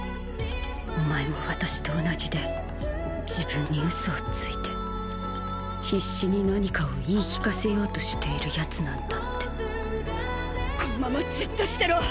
お前も私と同じで自分に嘘をついて必死に何かを言い聞かせようとしているヤツなんだってこのままじっとしてろ。